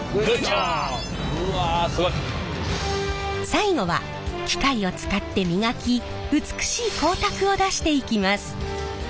最後は機械を使って磨き美しい光沢を出していきます。